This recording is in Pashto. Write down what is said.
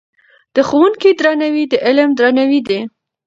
د ښوونکي درناوی د علم درناوی دی.